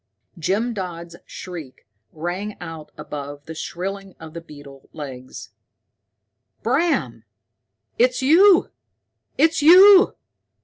Jim Dodd's shriek rang out above the shrilling of the beetle legs, "Bram! It's you, it's you!